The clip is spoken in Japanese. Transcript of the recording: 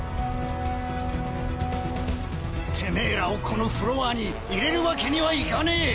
てめえらをこのフロアに入れるわけにはいかねえ！